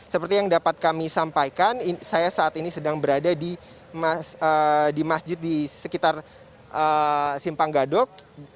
seperti yang dapat kami sampaikan saya saat ini sedang berada di masjid di sekitar simpang gadok